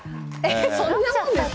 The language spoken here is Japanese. そんなもんです。